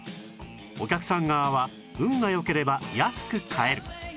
お客さん側は運が良ければ安く買える